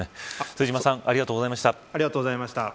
瀬島さんありがとうございました。